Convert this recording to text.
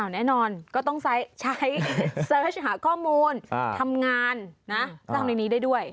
แน่นอนก็ต้องใช้เซิร์ชหาข้อมูลทำงานนะสร้างในนี้ได้ด้วย